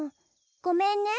ごめんね。